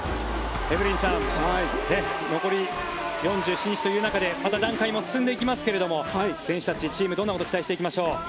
エブリンさん残り４７日という中でまた戦いも進んでいきますが選手たち、チームにどんなことを期待しましょう。